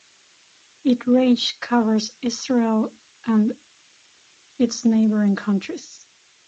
Its range covers Israel and its neighboring countries.